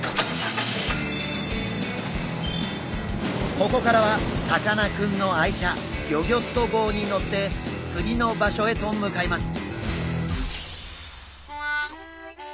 ここからはさかなクンの愛車ギョギョッと号に乗って次の場所へと向かいます。